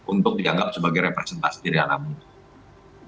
untuk dianggap sebagai representasi diri anak muda